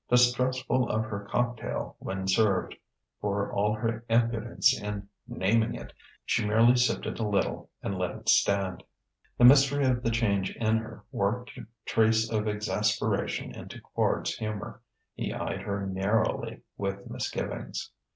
Distrustful of her cocktail, when served, for all her impudence in naming it, she merely sipped a little and let it stand. The mystery of the change in her worked a trace of exasperation into Quard's humour. He eyed her narrowly, with misgivings.